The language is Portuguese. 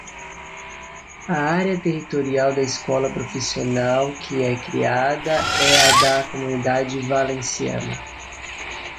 A área territorial da escola profissional que é criada é a da Comunidade Valenciana.